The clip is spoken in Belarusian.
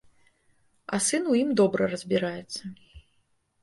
А сын у ім добра разбіраецца.